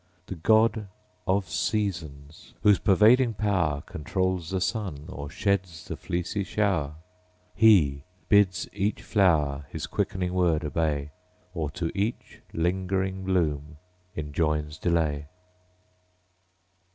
The GOD of SEASONS; whose pervading power Controls the sun, or sheds the fleecy shower: He bids each flower His quickening word obey; Or to each lingering bloom enjoins delay.